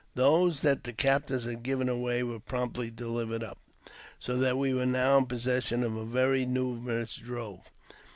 Those that the captors had given away were promptly delivered up, so that we were now; in possession of a very numerous drove.